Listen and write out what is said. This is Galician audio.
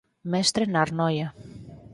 Mestre na Arnoia.